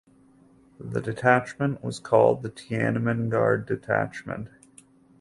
The detachment was called the Tiananmen Guard Detachment.